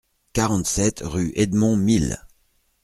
quarante-sept rue Edmond Mille